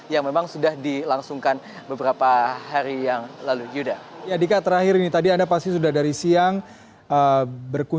yang memang sudah dilangsungkan beberapa hari yang lalu